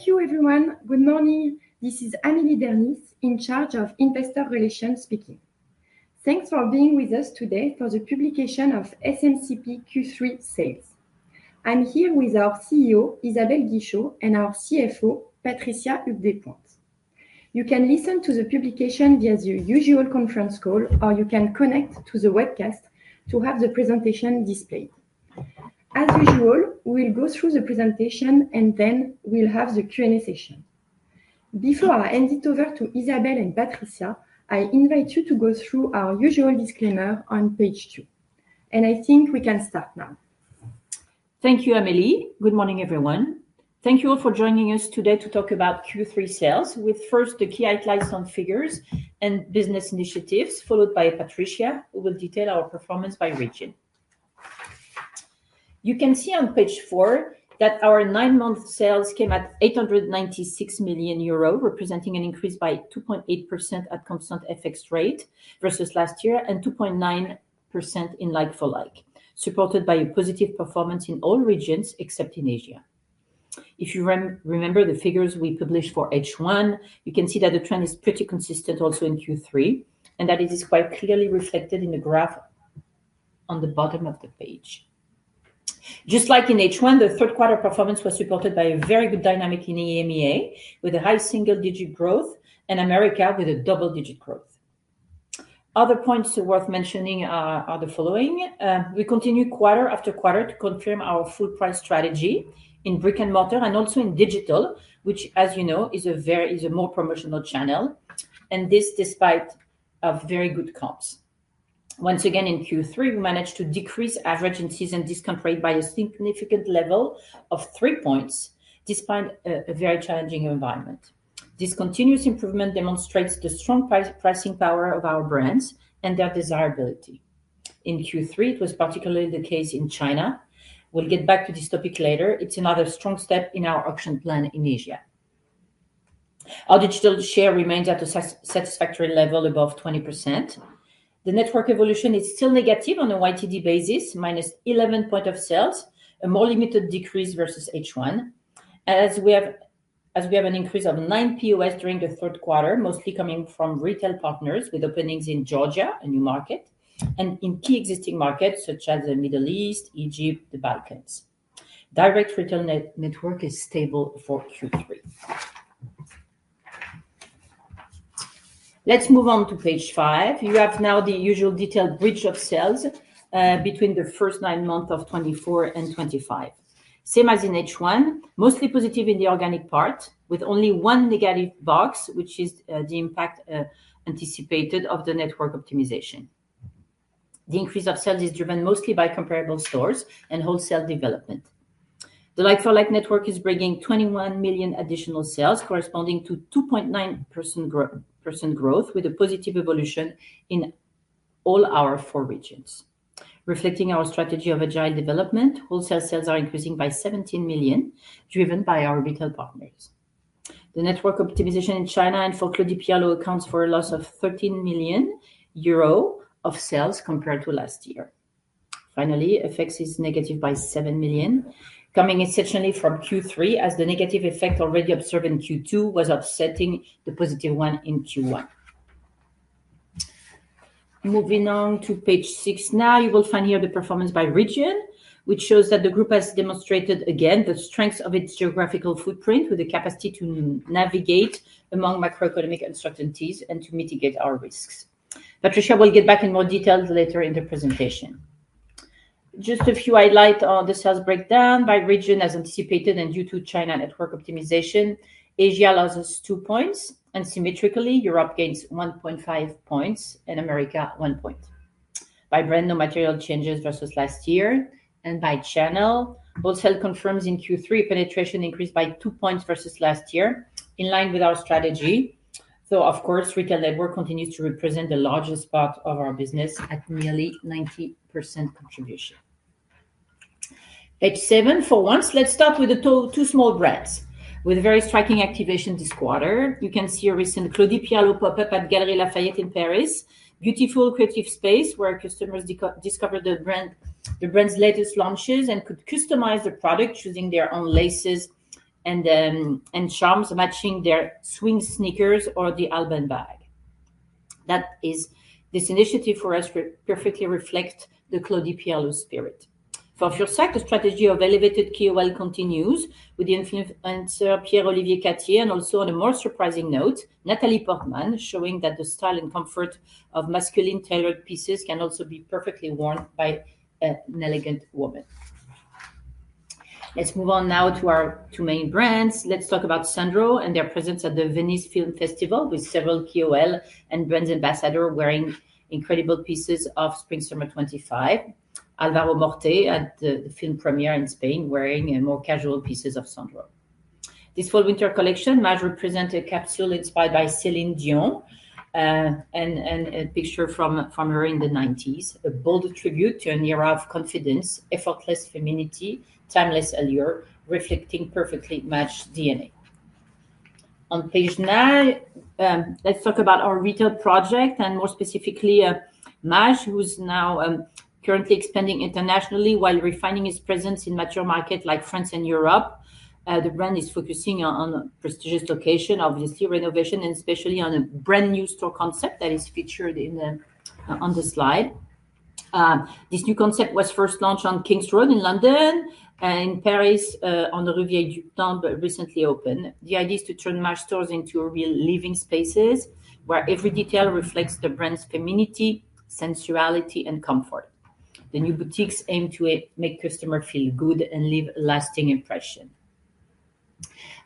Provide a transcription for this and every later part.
Thank you everyone. Good morning, this is Amélie Dernis in charge of Investor Relations speaking. Thanks for being with us today for the publication of SMCP Q3 sales. I'm here with our CEO Isabelle Guichot and our CFO Patricia Huyghues Despointes. You can listen to the publication via the usual conference call or you can connect to the webcast to have the presentation displayed. As usual. We'll go through the presentation and then we'll have the Q and A session. Before I hand it over to Isabelle and Patricia, I invite you to go through our usual disclaimer on page two and I think we can start now. Thank you, Amélie. Good morning, everyone. Thank you all for joining us today to talk about Q3 sales with first the key highlights, like-for-like figures and business initiatives, followed by Patricia who will detail our performance by region. You can see on page four that our nine-month sales came at 896 million euro, representing an increase by 2.8% at constant FX rate versus last year and 2.9% in like-for-like supported by a positive performance in all regions except in Asia. If you remember the figures we published for H1, you can see that the trend is pretty consistent also in Q3 and that it is quite clearly reflected in the graph on the bottom of the page. Just like in H1, the third quarter performance was supported by a very good dynamic in EMEA with a high-single-digit growth and America with a double-digit growth. Other points worth mentioning are the following. We continue quarter after quarter to confirm our full price strategy in brick-and-mortar and also in digital, which as you know is a more promotional channel, and this despite very good comps. Once again in Q3 we managed to decrease average in-season discount rate by a significant level of three points despite a very challenging environment. This continuous improvement demonstrates the strong pricing power of our brands and their desirability in Q3. It was particularly the case in China. We'll get back to this topic later. It's another strong step in our action plan in Asia. Our digital share remains at a satisfactory level above 20%. The network evolution is still negative on a YTD basis minus 11 points of sale, a more limited decrease versus H1. As we have an increase of nine POS during the third quarter, mostly coming from retail partners with openings in Georgia, a new market and in key existing markets such as the Middle East, Egypt, the Balkans. Direct retail network is stable for Q3. Let's move on to page five. You have now the usual detailed bridge of sales between the first nine months of 2024 and 2025, same as in H1, mostly positive in the organic part with only one negative box, which is the impact anticipated of the network optimization. The increase of sales is driven mostly by comparable stores and wholesale development. The like-for-like network is bringing 21 million additional sales corresponding to 2.9% growth with a positive evolution in all our four regions, reflecting our strategy of agile development. Wholesale sales are increasing by 17 million driven by our retail partners. The network optimization in China and for Claudie Pierlot accounts for a loss of 13 million euro of sales compared to last year. Finally, FX is negative by 7 million, coming essentially from Q3 as the negative effect already observed in Q2 was offsetting the positive one in Q1. Moving on to page 6. Now you will find here the performance by region, which shows that the group has demonstrated again the strength of its geographical footprint with the capacity to navigate among macroeconomic uncertainties and to mitigate our risks. Patricia will get back in more details later in the presentation. Just a few highlights on the sales breakdown by region. As anticipated and due to China network optimization, Asia lost two points and symmetrically Europe gains 1.5 points and America one point. By brand, no material changes versus last year and by channel, wholesale confirms. In Q3 penetration increased by two points versus last year in line with our strategy, so of course retail network continues to represent the largest part of our business at nearly 90% contribution. Page 7. For once, let's start with the two small brands with very striking activation this quarter. You can see a recent Claudie Pierlot pop-up at Galeries Lafayette in Paris. Beautiful creative space where customers discover the brand, the brand's latest launches, and could customize the product, choosing their own laces and charms matching their Swing sneakers or the Alban bag. This initiative for us perfectly reflect the Claudie Pierlot spirit. For your sec. The strategy of Elevated KOL continues with the influencer Pierre-Olivier Cartier and also on a more surprising note, Natalie Portman showing that the style and comfort of masculine tailored pieces can also be perfectly worn by an elegant woman. Let's move on now to our two main brands. Let's talk about Sandro and their presence at the Venice Film Festival with several KOLs and brand ambassadors wearing incredible pieces of Spring/Summer 2025. Alvaro Morte at the film premiere in Spain wearing more casual pieces of Sandro. This Fall/Winter collection might represent a capsule inspired by Céline Dion and a picture from her in the 90s, a bold tribute to an era of confidence, effortless femininity, timeless allure reflecting perfectly matched DNA. On page nine, let's talk about our retail project and, more specifically, Maje, who's now currently expanding internationally while refining his presence in mature markets like France and Europe. The brand is focusing on prestigious locations, obviously renovation, and especially on a brand new store concept that is featured on the slide. This new concept was first launched on King's Road in London, in Paris on the Riviera du Temps but recently opened. The idea is to turn Maje stores into real living spaces where every detail reflects the brand's femininity, sensuality and comfort. The new boutiques aim to make customer feel good and leave lasting impression.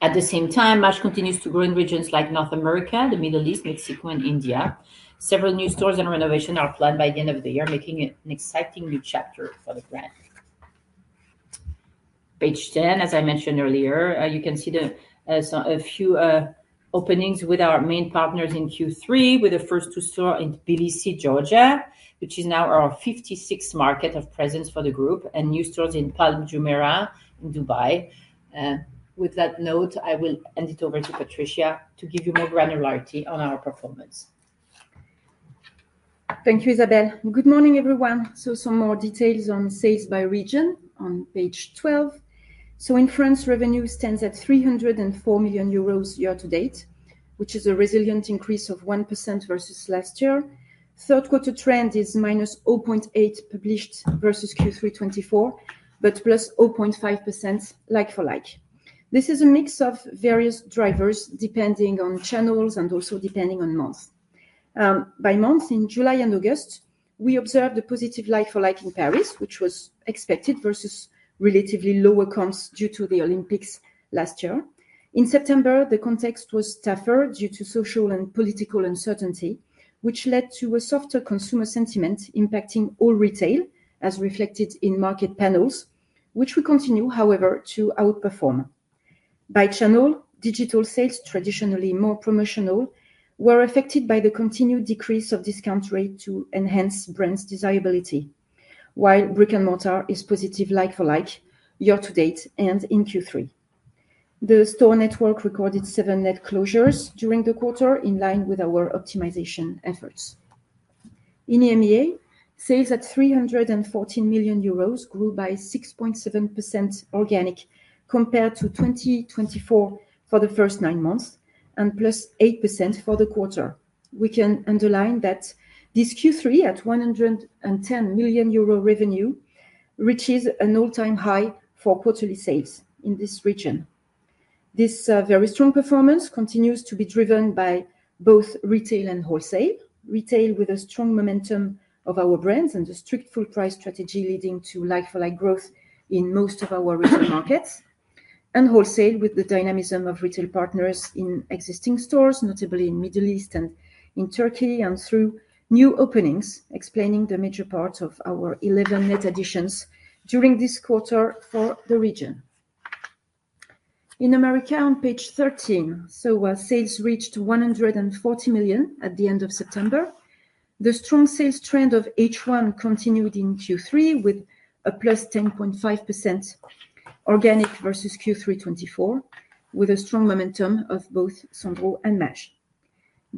At the same time, Maje continues to grow in regions like North America, the Middle East, Mexico and India, Spain. Several new stores and renovations are planned by the end of the year, making it an exciting new chapter for the brand. Page 10, as I mentioned earlier, you can see a few openings with our main partners in Q3, with the first two stores in Tbilisi, Georgia, which is now our 56th market of presence for the group, and new stores in Palm Jumeirah in Dubai. With that note, I will hand it over to Patricia to give you more granularity on our performance. Thank you, Isabelle. Good morning, everyone. So some more details on sales by region on page 12. In France revenue stands at 304 million euros year to date which is a resilient increase of 1% versus last year. Third quarter trend is minus 0.8% published versus Q3 2024 but plus 0.5% like-for-like. This is a mix of various drivers depending on channels and also depending on month by month. In July and August we observed a positive like-for-like in Paris which was expected versus relatively lower comps due to the Olympics last year. In September the context was tougher due to social and political uncertainty which led to a softer consumer sentiment impacting all retail as reflected in market panels which we continue however to outperform by channel. The digital sales, traditionally more promotional, were affected by the continued decrease of discount rate to enhance brands' desirability while brick-and-mortar is positive like-for-like year-to-date and in Q3. The store network recorded seven net closures during the quarter in line with our optimization efforts in EMEA. Sales at 314 million euros grew by 6.7% organic compared to 2024 for the first nine months and plus 8% for the quarter. We can underline that this Q3 at 110 million euro revenue reaches an all-time high for quarterly sales in this region. This very strong performance continues to be driven by both retail and wholesale retail with a strong momentum of our brands and a strict full price strategy leading to like-for-like growth in most of our regional markets and wholesale with the dynamism of retail partners in existing stores, notably in Middle East and in Turkey and through new openings explaining the major part of our 11 net additions during this quarter for the region. In America, on page 13, so while sales reached 140 million at the end of September, the strong sales trend of H1 continued in Q3 with a +10.5% organic versus Q3 2024 with a strong momentum of both Sandro and Maje.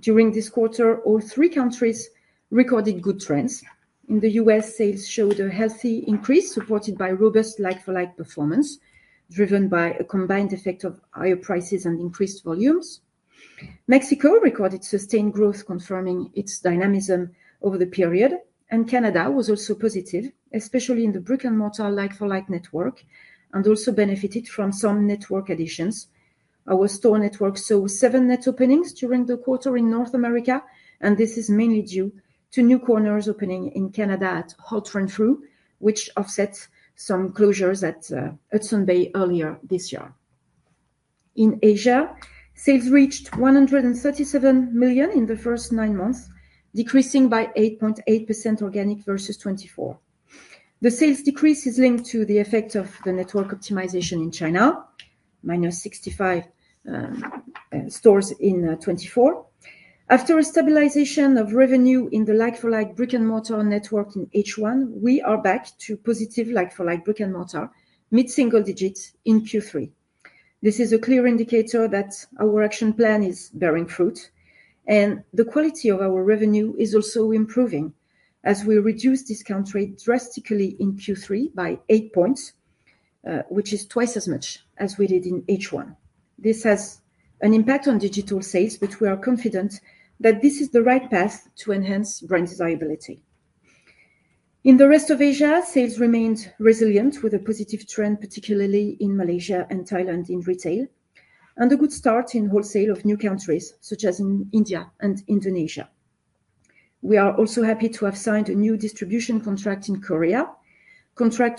During this quarter all three countries recorded good trends. In the U.S. sales showed a healthy increase supported by robust like-for-like performance driven by a combined effect of higher prices and increased volumes. Mexico recorded sustained growth confirming its dynamism over the period, and Canada was also positive, especially in the brick-and-mortar like-for-like network and also benefited from some network additions. Our store network saw seven net openings during the quarter in North America and this is mainly due to new corners opening in Canada at Holt Renfrew which offsets some closures at Hudson's Bay earlier this year. In Asia, sales reached 137 million in the first nine months, decreasing by 8.8% organic versus 2024. The sales decrease is linked to the effect of the network optimization in China -65 stores in 2024. After a stabilization of revenue in the like for like brick and mortar network in H1, we are back to positive like for like brick and mortar mid single digits in Q3. This is a clear indicator that our action plan is bearing fruit and the quality of our revenue is also improving as we reduce discount rate drastically in Q3 by 8 points, which is twice as much as we did in H1. This has an impact on digital sales, but we are confident that this is the right path to enhance brand desirability. In the rest of Asia, sales remained resilient with a positive trend particularly in Malaysia and Thailand in retail and a good start in wholesale of new countries such as in India and Indonesia. We are also happy to have signed a new distribution contract in Korea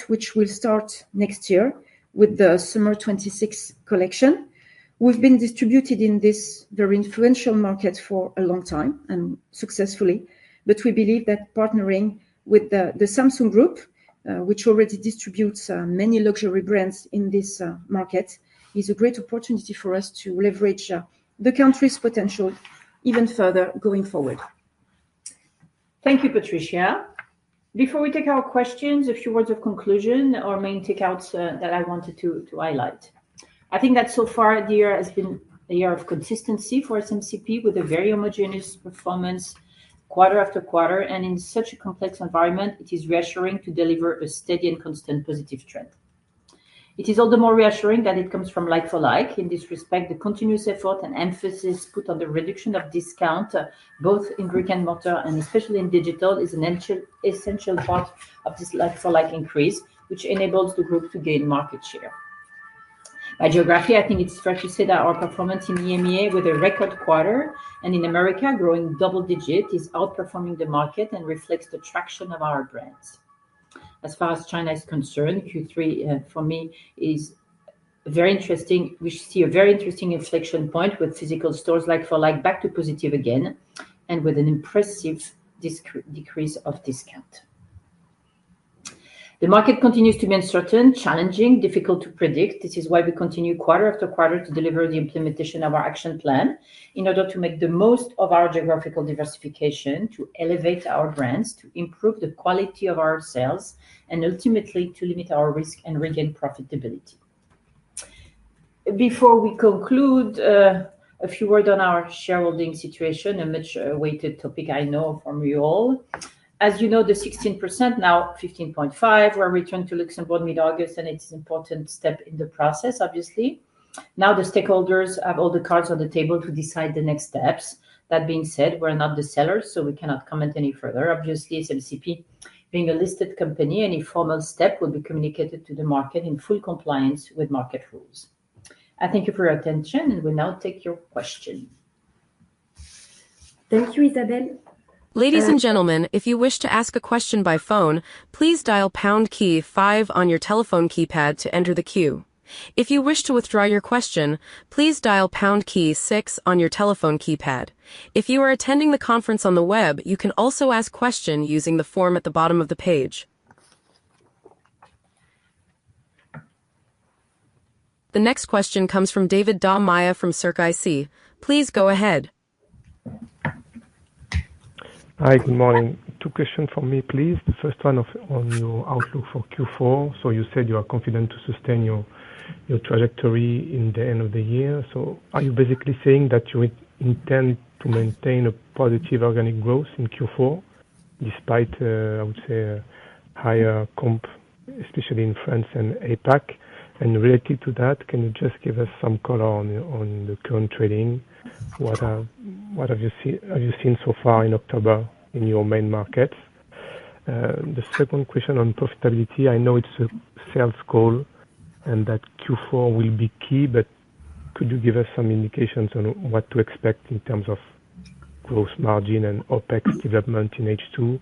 which will start next year with the Summer 2026 collection. We've been distributed in this very influential market for a long time and successfully, but we believe that partnering with the Samsung Group which already distributes many luxury brands in this market is a great opportunity for us to leverage the country's potential even further going forward. Thank you, Patricia. Before we take our questions, a few words of conclusion or main takeaways that I wanted to highlight. I think that so far the year has been a year of consistency for SMCP with a very homogeneous performance quarter after quarter and in such a complex environment, it is reassuring to deliver a steady and constant positive trend. It is all the more reassuring that it comes from like-for-like. In this respect, the continuous effort and emphasis put on the reduction of this discount, both in brick-and-mortar and especially in digital, is an essential part of this like-for-like increase which enables the group to gain market share by geography. I think it's fair to say that our performance in EMEA with a record quarter and in America growing double-digit is outperforming the market and reflects the traction of our brands as far as China is concerned. Q3 for me is very interesting. We see a very interesting inflection point with physical stores, like-for-like back to positive again, and with an impressive decrease of discount. The market continues to be uncertain, challenging, difficult to predict. This is why we continue quarter after quarter to deliver the implementation of our action plan in order to make the most of our geographical diversification, to elevate our brands, to improve the quality of our sales and ultimately to limit our risk and regain profitability. Before we conclude, a few words on our shareholding situation. A much-awaited topic, I know from you all. As you know, the 16% now 15.5% were returned to Luxembourg mid-August and it's an important step in the process. Obviously, now the stakeholders have all the cards on the table to decide the next steps. That being said, we're not the sellers, so we cannot comment any further. Obviously, SMCP being a listed company, any formal step will be communicated to the market in full compliance with market rules. I thank you for your attention and we'll now take your question. Thank you, Isabelle. Ladies and gentlemen, if you wish to ask a question by phone, please dial five on your telephone keypad to enter the queue. If you wish to withdraw your question, please dial pound key six on your telephone keypad. If you are attending the conference on the web, you can also ask question using the form at the bottom of the page. The next question comes from David Da Maia from CIC. Please go ahead. Hi, good morning. Two questions for me please. The first one on your outlook for Q4. So you said you are confident to sustain your trajectory in the end of the year. So are you basically saying that you intend to maintain a positive organic growth in Q4 despite, I would say, higher comp, especially in France and APAC? And related to that, can you just give us some color on the current trading. What have you seen so far in October in your main markets? The second question on profitability. I know it's a sales call and that Q4 will be key, but could you give us some indications on what to expect in terms of gross margin and OpEx development in H2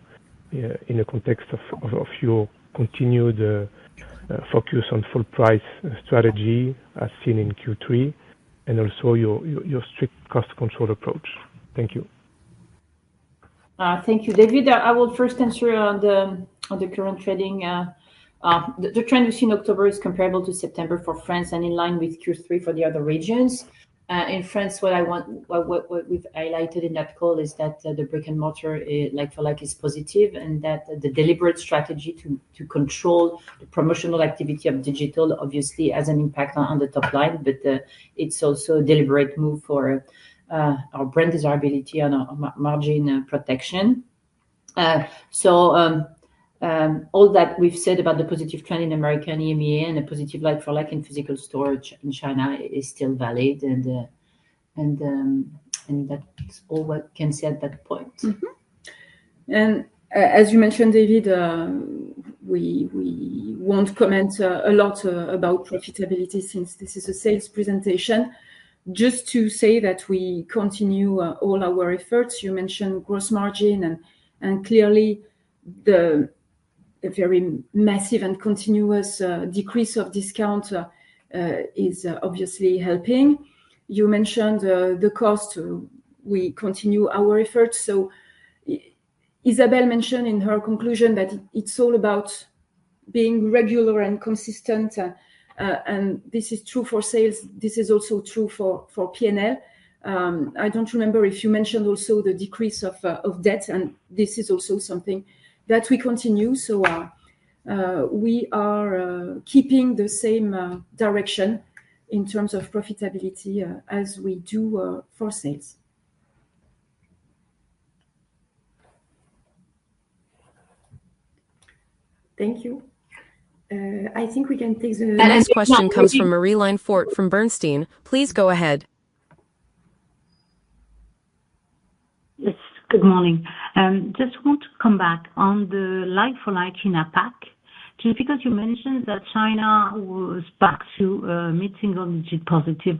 in the context of your continued focus on full price strategy as seen in Q3 and also your strict cost control approach? Thank you. Thank you, David. I will first answer on the current trading. The trend we see in October is comparable to September for France and in line with Q3 for the other regions in France. What I want, what we've highlighted in that call is that the brick and mortar like for like is positive and that the deliberate strategy to control the promotional activity of digital obviously has an impact on the top line but it's also a deliberate move for our brand desirability and margin protection. All that we've said about the positive trend in America and EMEA and a positive like-for-like in physical stores in China is still valid. And. That's all we can say at that point. And, as you mentioned, David, we won't comment a lot about profitability since this is a sales presentation, just to say that we continue all our efforts. You mentioned gross margin, and clearly the very massive and continuous decrease of discount is obviously helping. You mentioned the cost. We continue our efforts. So, Isabelle mentioned in her conclusion that it's all about being regular and consistent, and this is true for sales. This is also true for P&L. I don't remember if you mentioned also the decrease of debt, and this is also something that we continue. So, we are keeping the same direction in terms of profitability as we do for sales? Thank you. I think we can take. The next question comes from Marie-Line Fort from Bernstein. Please go ahead. Yes, good morning. Just want to come back on the life for lighten up package just because you mentioned that China was back to mid-single-digit positive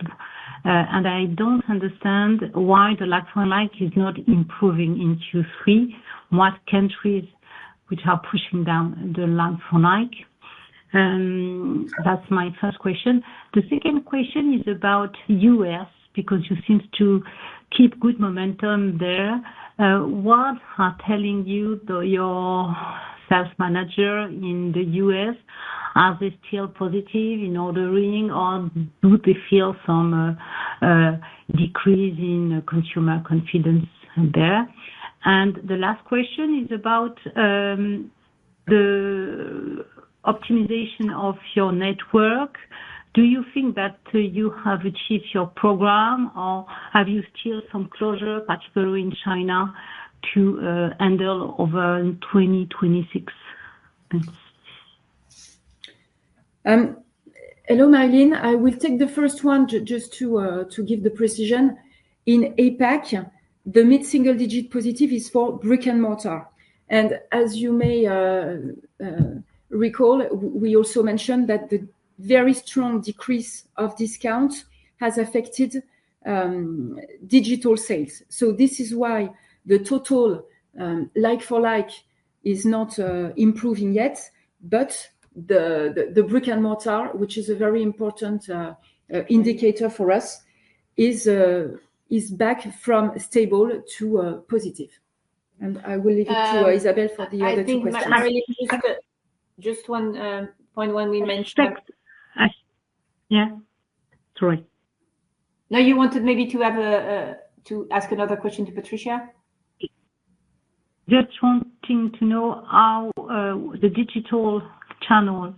and I don't understand why the LFL is not improving in Q3. What countries which are pushing down the LFL hike? That's my first question. The second question is about U.S. because you seem to keep good momentum there. What are telling you your sales manager in the U.S.? Are they still positive in ordering or do they feel some decrease in consumer confidence there? And the last question is about. The optimization of your network. Do you think that you have achieved your program or have you still some closures particularly in China to handle over 2026? Thanks. Hello, Marie-Line. I will take the first one just to give the precision. In APAC, the mid single digit positive is for brick and mortar, and as you may. Recall we also mentioned that the very strong decrease of discounts has affected. Digital sales, so this is why the total like-for-like is not improving yet. But the brick-and-mortar, which is a very important indicator for us, is back from stable to positive, and I will leave it to Isabelle for the other. Just one point when we mentioned. Yeah, sorry. Now you wanted maybe to have a. To ask another question to Patricia. Just wanting to know how the digital channel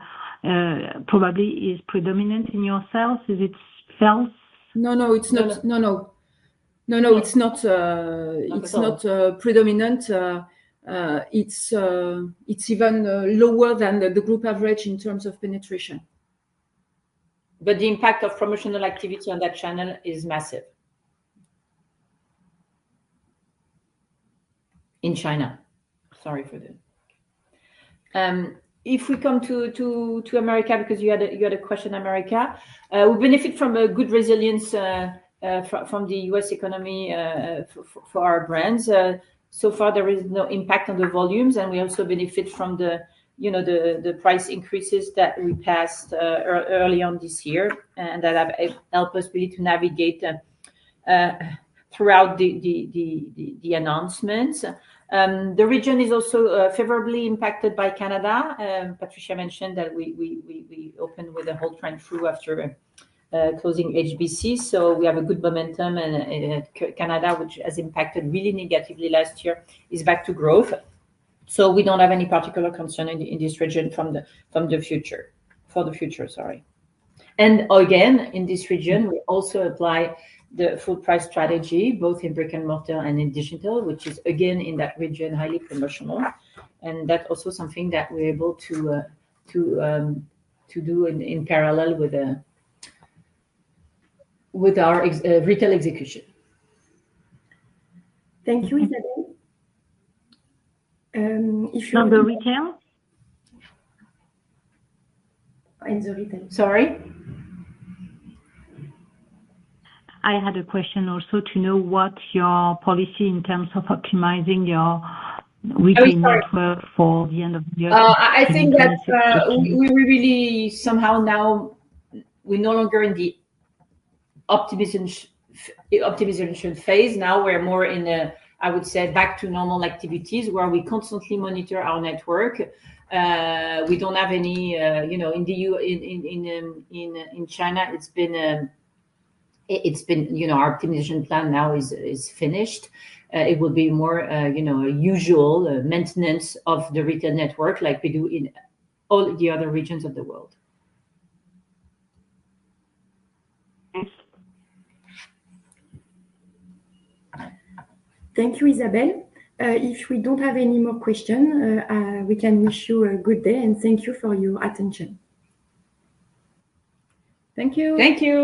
probably is predominant in your sales? Is it else? No, no, it's not. No, no, no, no, it's not. It's not predominant. It's even lower than the group average in terms of penetration. But the impact of promotional activity on that channel is massive. In China. Sorry for that. If we come to America because you had a question. America, we benefit from a good resilience from the U.S. economy for our brands. So far there is no impact on the volumes and we also benefit from the, you know, the price increases that we passed early on this year and that have helped us to navigate. Throughout the announcements, the region is also favorably impacted by Canada. Patricia mentioned that we opened with Holt Renfrew after closing HBC. So we have a good momentum in Canada, which has impacted really negatively last year, is back to growth. So we don't have any particular concern in this region from the future. For the future. Sorry. And again in this region we also apply the full price strategy both in brick and mortar and in digital which is again in that region highly promotional. And that's also something that we're able. To. Do in parallel. With our retail execution. Thank you Isabelle. From the retail. Sorry. I had a question also to know what your policy in terms of optimizing your retail network for the end of the year? I think that we really somehow now. We're no longer in the network optimization phase. Now we're more in a, I would say, back to normal activities where we constantly monitor our network. We don't have any, you know, in China. It's been, you know, our optimization plan now is finished. It will be more, you know, usual maintenance of the retail network like we do in all the other regions of the world. Thank you, Isabelle. If we don't have any more questions we can wish you a good day and thank you for your attention. Thank you. Thank you.